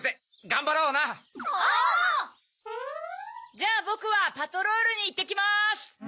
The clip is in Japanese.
じゃあボクはパトロールにいってきます！